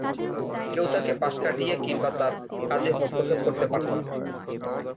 কেউ তাকে পাশ কাটিয়ে কিংবা তার কাজে হস্তক্ষেপ করতে পারতো না।